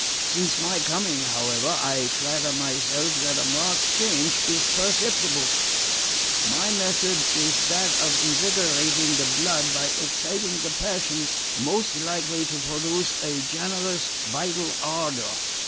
Since my coming, however, I flatter myself that a marked change is perceptible. My method is that of invigorating the blood by exciting the passions most likely to produce a generous vital ardour.